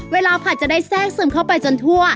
ผัดจะได้แทรกซึมเข้าไปจนทั่ว